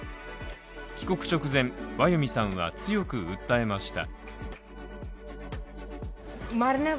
帰国直前、ワヨミさんは強く訴えました。